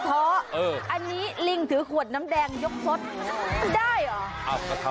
เพราะอันนี้ลิงถือขวดน้ำแดงยกพดได้เหรอ